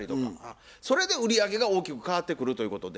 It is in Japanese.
それで売り上げが大きく変わってくるということで。